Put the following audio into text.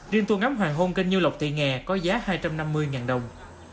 riêng tour ngắm hoàng hôn kênh như lộc thị nghè có giá hai trăm năm mươi đồng